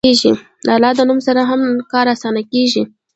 د الله نوم سره هر کار اسانه کېږي.